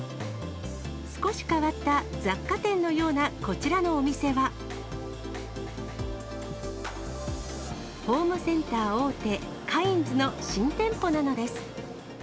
少し変わった雑貨店のようなこちらのお店は、ホームセンター大手、カインズの新店舗なのです。